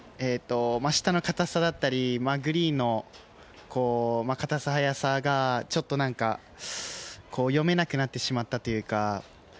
下の硬さだったりグリーンの硬さ、速さがちょっと読めなくなってしまったというか。